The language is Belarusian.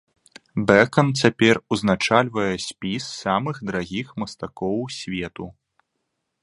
Бэкан цяпер узначальвае спіс самых дарагіх мастакоў свету.